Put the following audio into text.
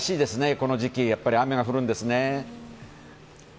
この時期やっぱり雨が降るんですね。